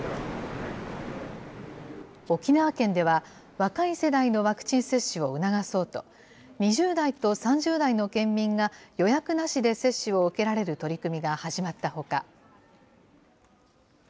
沖縄県では若い世代のワクチン接種を促そうと、２０代と３０代の県民が、予約なしで接種を受けられる取り組みが始まったほか。